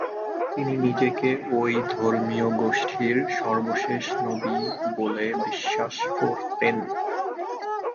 তিনি নিজেকে ঐ ধর্মীয় গোষ্ঠীর সর্বশেষ নবী বলে বিশ্বাস করতেন।